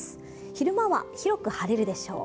昼間は広く晴れるでしょう。